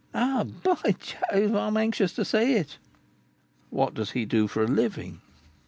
Oh, by Jove, I am anxious to see it!" "What does he do for a living?"